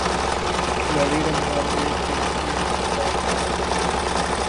کھلاڑی رمضان میں ٹریننگ میں احتیاط سے کام لیں